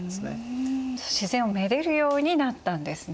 自然を愛でるようになったんですね。